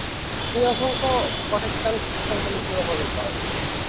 তিনি অসংখ্য প্রটেস্ট্যান্ট খ্রিস্টানকে মৃত্যুদণ্ড প্রদান করেন।